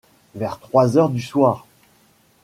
Vers trois heures du soir.